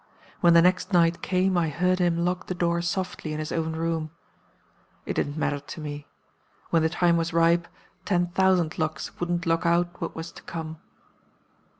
When the next night came I heard him lock the door softly in his own room. It didn't matter to me. When the time was ripe ten thousand locks wouldn't lock out what was to come.